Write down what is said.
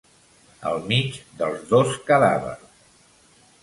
Al mig dels dos cadàvers.